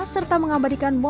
serta mengabadikan momen